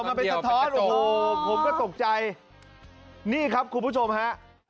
มันเป็นสะท้อนโอ้โหผมก็ตกใจนี่ครับคุณผู้ชมฮะ